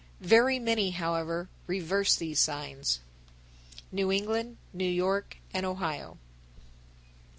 Very many, however, reverse these signs. _New England, New York, and Ohio.